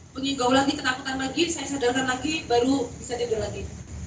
mengingkau lagi ketakutan lagi saya sadarkan lagi baru bisa tidur lagi